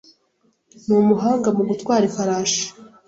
Ni umuhanga mu gutwara ifarashi.